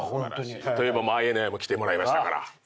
ＩＮＩも来てもらいましたから。